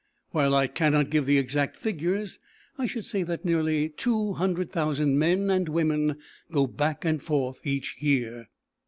While I cannot give the exact figures I should say that nearly two hundred thousand men and women go back and forth each year.